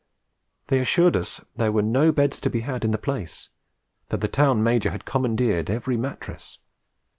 They assured us there were no beds to be had in the place, that the Town Major had commandeered every mattress.